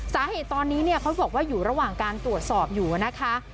สาเหตุตอนนี้เนี่ยเขาบอกว่าอยู่ระหว่างการตรวจสอบอยู่นะคะ